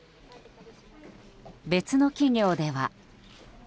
別の企業では。